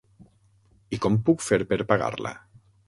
I com puc fer per pagar-la?